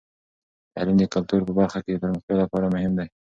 تعلیم د کلتور په برخه کې د پرمختیا لپاره مهم دی.